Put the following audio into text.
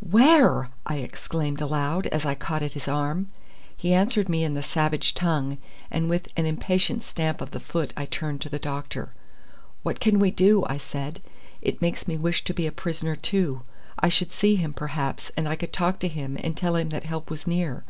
"Where?" I exclaimed aloud, as I caught at his arm. He answered me in the savage tongue, and with an impatient stamp of the foot I turned to the doctor. "What can we do?" I said. "It makes me wish to be a prisoner too. I should see him, perhaps, and I could talk to him and tell him that help was near."